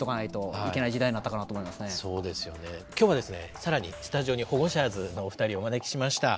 更にスタジオにホゴシャーズのお二人をお招きしました。